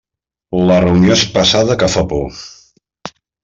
La reunió és pesada que fa por.